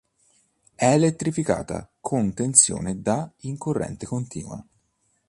È elettrificata con tensione da in corrente continua.